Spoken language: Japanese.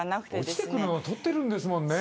落ちてくるの撮ってるんですもんね。